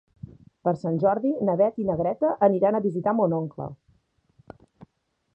Per Sant Jordi na Beth i na Greta aniran a visitar mon oncle.